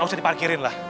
gak usah diparkirin lah